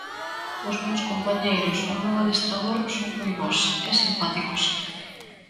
Os meus compañeiros, o meu adestrador son moi bos e simpáticos.